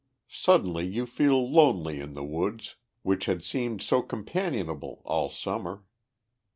Suddenly you feel lonely in the woods, which had seemed so companionable all Summer.